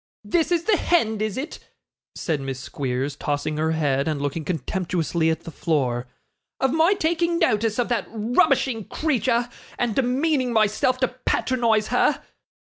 'This is the hend, is it,' said Miss Squeers, tossing her head, and looking contemptuously at the floor, 'of my taking notice of that rubbishing creature, and demeaning myself to patronise her?